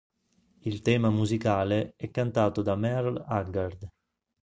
Il tema musicale è cantato da Merle Haggard.